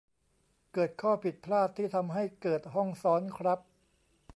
เกิดข้อผิดพลาดที่ทำให้เกิดห้องซ้อนครับ